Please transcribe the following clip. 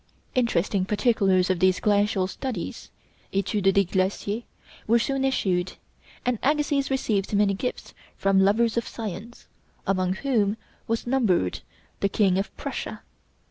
Interesting particulars of these glacial studies ('Études des Glaciers') were soon issued, and Agassiz received many gifts from lovers of science, among whom was numbered the King of Prussia.